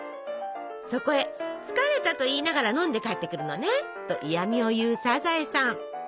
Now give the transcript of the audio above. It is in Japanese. そこへ「つかれたといいながらのんでかえってくるのね」と嫌みを言うサザエさん。